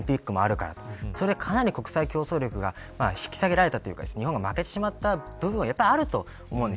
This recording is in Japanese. かなり国際競争力が引き下げられて、日本が負けてしまった部分はあると思います。